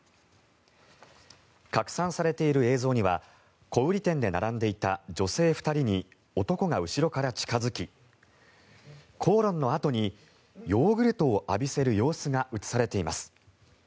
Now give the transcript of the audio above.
拡散されている映像には小売店で並んでいた女性２人に男が後ろから近付き口論のあとにヨーグルトを浴びせる様子が映されています。